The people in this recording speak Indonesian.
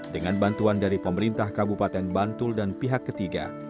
dengan bantuan dari pemerintah kabupaten bantul dan pihak ketiga